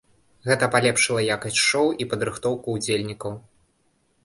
Гэта палепшыла якасць шоу і падрыхтоўку ўдзельнікаў.